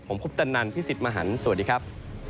ผมคุปตะนันพี่สิทธิ์มหันฯสวัสดีครับ